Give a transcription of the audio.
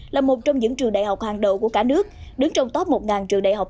là một trong những trường đại học hàng đầu của cả nước đứng trong top một trường đại học